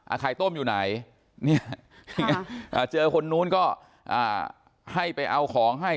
อาคายโต้มอยู่ไหนเจอคนนู้นก็ให้ไปเอาของให้